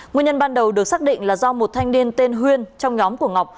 nguyên nhân ban đầu được xác định là do một thanh niên tên huyên trong nhóm của ngọc